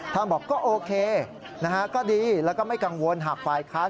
บอกก็โอเคนะฮะก็ดีแล้วก็ไม่กังวลหากฝ่ายค้าน